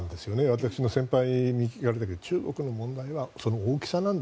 私の先輩によると中国の問題はその大きさなんだ。